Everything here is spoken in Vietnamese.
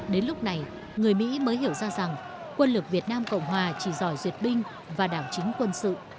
đến lúc này người mỹ mới hiểu ra rằng quân lực việt nam cộng hòa chỉ giỏi duyệt binh và đảo chính quân sự